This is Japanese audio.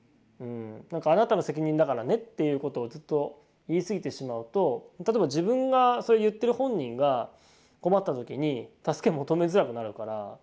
あなたの責任だからねっていうことをずっと言い過ぎてしまうと例えば自分がそれ言ってる本人が困った時に助け求めづらくなるから。